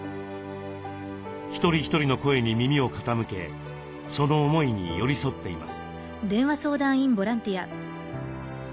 一人一人の声に耳を傾けその思いに寄り添っています。